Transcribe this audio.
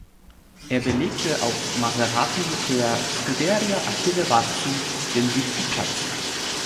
Er belegte auf Maserati der "Scuderia Achille Varzi" den siebten Platz.